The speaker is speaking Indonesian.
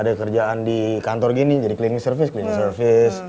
ada kerjaan di kantor gini jadi cleaning service cleaning service